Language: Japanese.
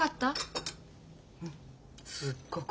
うんすっごく。